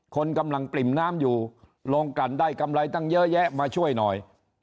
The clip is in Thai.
คนกำลังปริ่มน้ำอยู่โรงกันได้กำไรตั้งเยอะแยะมาช่วยหน่อย